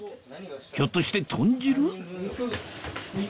ひょっとして豚汁？